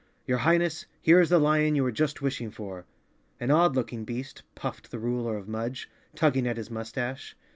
Your Highness, here is the lion you were just wishing for!" "An odd looking beast," puffed the ruler of Mudge, tugging at his mustache.